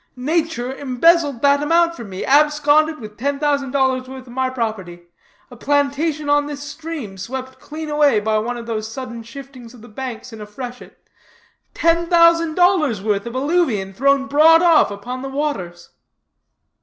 Nature embezzled that amount from me; absconded with ten thousand dollars' worth of my property; a plantation on this stream, swept clean away by one of those sudden shiftings of the banks in a freshet; ten thousand dollars' worth of alluvion thrown broad off upon the waters."